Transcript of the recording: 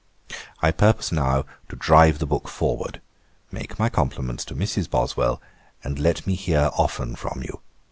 'I purpose now to drive the book forward. Make my compliments to Mrs. Boswell, and let me hear often from you.